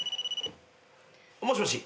もしもし。